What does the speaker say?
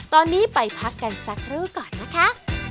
ตอนนี้ไปพักกันสักครู่ก่อนนะคะ